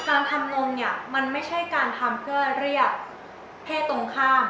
การทำงงเนี่ยมันไม่ใช่การทำเพื่อเรียกเพศตรงข้าม